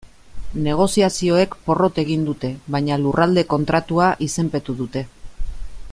Negoziazioek porrot egin dute, baina Lurralde Kontratua izenpetu dute.